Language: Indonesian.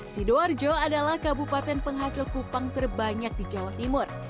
sidoarjo adalah kabupaten penghasil kupang terbanyak di jawa timur